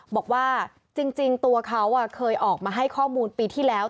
บอกว่าจริงตัวเขาเคยออกมาให้ข้อมูลปีที่แล้ว